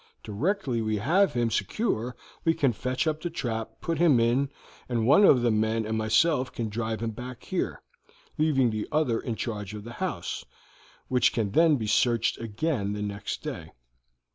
Directly we have him secure we can fetch up the trap, put him in, and one of the men and myself can drive him back here, leaving the other in charge of the house, which can then be searched again next day."